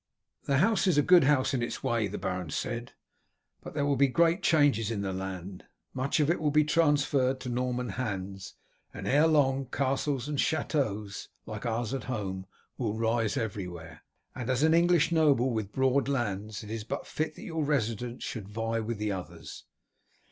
"The house is a good house in its way," the Baron said, "but there will be great changes in the land. Much of it will be transferred to Norman hands, and ere long castles and chateaux like ours at home will rise everywhere, and as an English noble with broad lands it is but fit that your residence should vie with others.